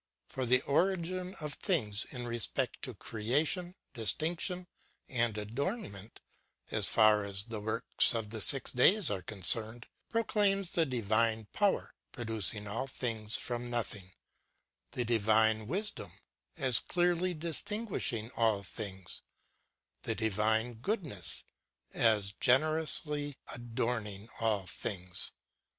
For the origin of things, in respect to creation, distinction, and adornment, as far as the works of the six days are concerned, proclaims the divine power, producing all things from nothing; the divine wisdom, a& clearly distinguishing all things ; the divine goodness, as gener ously adorning all things.